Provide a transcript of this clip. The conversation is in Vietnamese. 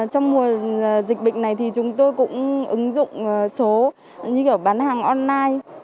trong mùa dịch bệnh này thì chúng tôi cũng ứng dụng số như kiểu bán hàng online